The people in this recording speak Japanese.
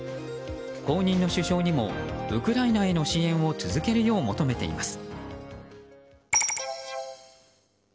後任の首相にもウクライナへの支援を続けるよう求めています。